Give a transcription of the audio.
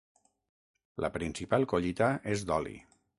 La principal collita és d'oli.